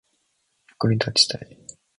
役に立ちたい